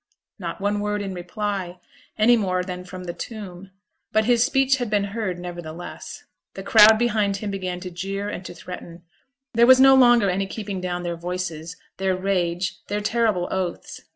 Not one word in reply, any more than from the tomb; but his speech had been heard nevertheless. The crowd behind him began to jeer and to threaten; there was no longer any keeping down their voices, their rage, their terrible oaths.